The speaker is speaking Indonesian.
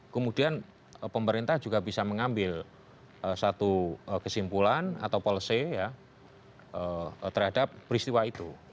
kemudian pemerintah juga bisa mengambil satu kesimpulan atau policy terhadap peristiwa itu